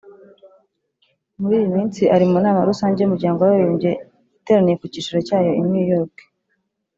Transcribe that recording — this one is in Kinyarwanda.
muri iyi minsi ari mu nama rusange y’Umuryango w’Abibumbye iteraniye ku cyicaro cyawo i New York